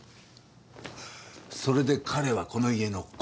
それで彼はこの家の子！